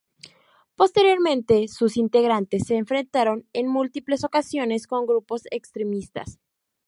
Posteriormente, sus integrantes se enfrentaron en múltiples ocasiones con grupos extremistas.